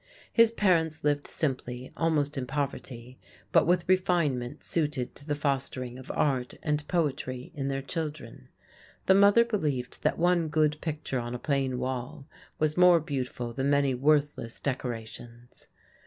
His parents lived simply, almost in poverty, but with refinement suited to the fostering of art and poetry in their children. The mother believed that one good picture on a plain wall was more beautiful than many worthless decorations.